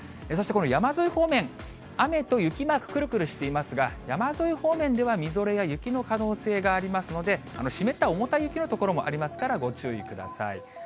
そしてこの山沿い方面、雨と雪マークくるくるしていますが、山沿い方面ではみぞれや雪の可能性がありますので、湿った重たい雪の所もありますからご注意ください。